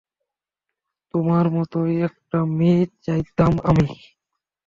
তোমার মতোই একটা মেয়ে চাইতাম আমি।